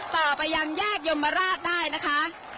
ต่อไปยังแยกยมราชได้นะคะ